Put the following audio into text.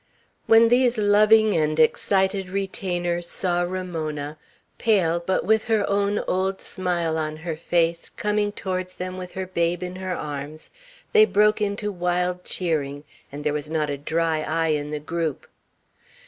When these loving and excited retainers saw Ramona pale, but with her own old smile on her face coming towards them with her babe in her arms, they broke into wild cheering, and there was not a dry eye in the group.